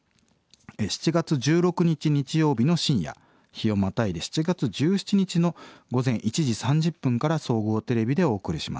７月１６日日曜日の深夜日をまたいで７月１７日の午前１時３０分から総合テレビでお送りします。